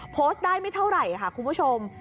โพสต์ได้ไม่เท่าไหร่ค่ะคุณผู้ชม